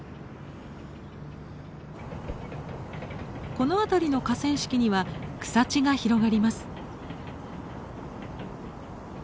この辺りの河川敷には草地が広がります。